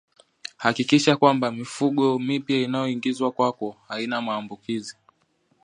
Hakikisha kwamba mifugo mipya inayoingizwa kwako haina maambukizi